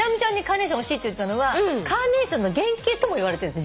カーネーション惜しいって言ったのはカーネーションの原型ともいわれてるんです。